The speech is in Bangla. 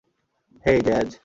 হেই, জ্যাজ।